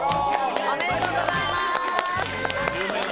おめでとうございます。